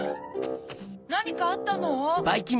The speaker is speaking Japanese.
なにかあったの？